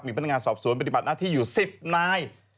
พนักงานสอบสวนปฏิบัติหน้าที่อยู่๑๐นาย